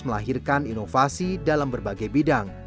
melahirkan inovasi dalam berbagai bidang